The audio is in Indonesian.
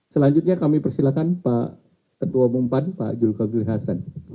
selanjutnya kami persilakan pak ketua umum pan pak julko gili hasan